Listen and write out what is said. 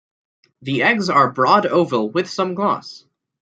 The eggs are broad oval with some gloss.